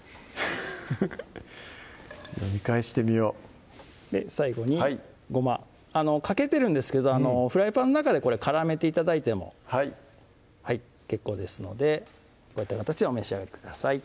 フフッ読み返してみよう最後にごまかけてるんですけどフライパンの中で絡めて頂いても結構ですのでこういった形でお召し上がりください